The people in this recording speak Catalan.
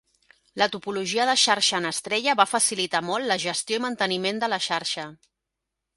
La topologia de xarxa en estrella va facilitar molt la gestió i manteniment de la xarxa.